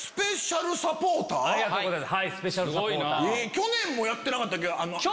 去年もやってなかったっけ？